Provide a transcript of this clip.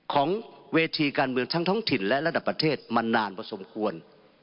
ของเวทีการเมืองทั้งท้องถิ่นและระดับประเทศมานานพอสมควร